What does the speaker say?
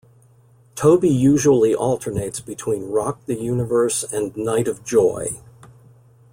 Toby usually alternates between Rock the Universe and Night of Joy.